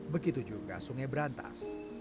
begitu juga sungai berantas